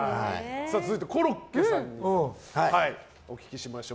続いて、コロッケさんにお聞きしましょう。